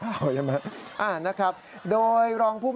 สังเกตเห็นว่ากลัวลั่นโผล่ออกมา